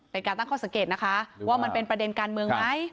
เป็นการตั้งข้อสังเกตนะคะว่ามันเป็นประเด็นการเมืองไหม